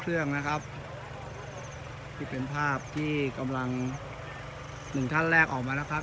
เครื่องนะครับนี่เป็นภาพที่กำลังหนึ่งท่านแรกออกมานะครับ